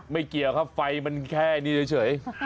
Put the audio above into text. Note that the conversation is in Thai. เกี่ยวครับไฟมันแค่นี้เฉย